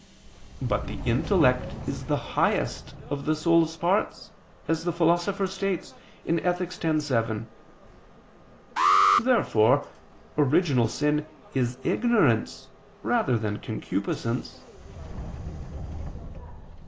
But the intellect is the highest of the soul's parts, as the Philosopher states (Ethic. x, 7). Therefore original sin is ignorance rather than concupiscence.